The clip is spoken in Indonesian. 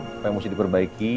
apa yang harus diperbaiki